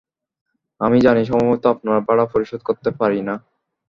আমি জানি সময়মতো আপনার ভাড়া পরিশোধ করতে পারি না।